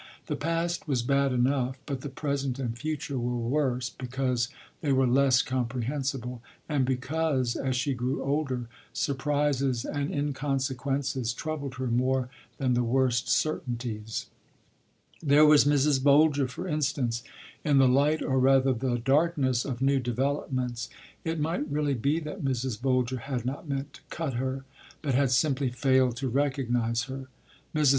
The past was bad enough, but the present and future were worse, because they were less comprehensible, and because, as she grew older, surprises and inconsequences troubled her more than the worst certainties. There was Mrs. Boulger, for instance. In the light, or rather the darkness, of new developments, it might really be that Mrs. Boulger had not meant to cut her, but had simply failed to recognize her. Mrs.